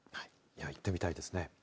やあ、行ってみたいですね。